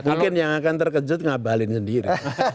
bikin yang akan terkejut ngabalin sendiri